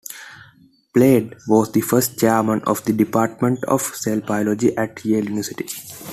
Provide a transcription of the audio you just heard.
Palade was the first Chairman of the Department of Cell Biology at Yale University.